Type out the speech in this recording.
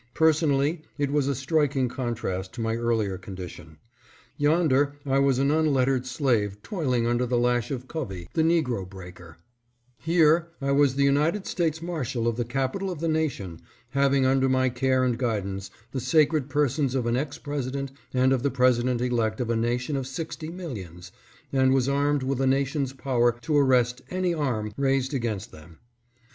Personally it was a striking contrast to my early condition. Yonder I was an unlettered slave toiling under the lash of Covey, the negro breaker ; here I was the United States Marshal of the capital of the nation, having under my care and guidance the sacred persons of an ex President and of the President elect of a nation of sixty millions, and was armed with a nation's power to arrest any arm raised 628 A VALUABLE PEECEDENT. against them.